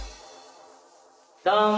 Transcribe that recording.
ドン！